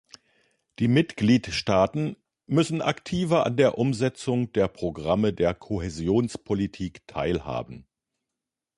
Die Mitgliedstaaten müssen aktiver an der Umsetzung der Programme der Kohäsionspolitik teilhaben.